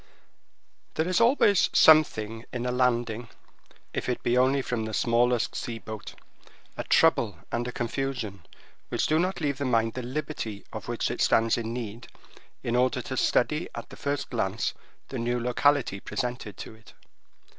There is always something in a landing, if it be only from the smallest sea boat—a trouble and a confusion which do not leave the mind the liberty of which it stands in need in order to study at the first glance the new locality presented to it.